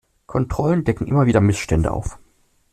Kontrollen decken immer wieder Missstände auf.